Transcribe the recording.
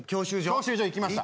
教習所行きました。